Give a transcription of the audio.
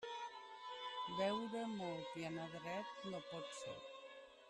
Beure molt i anar dret no pot ser.